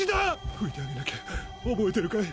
拭いてあげなきゃ憶えてるかい？